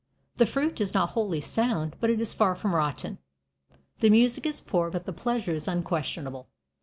The fruit is not wholly sound, but it is far from rotten. The music is poor, but the pleasure is unquestionable.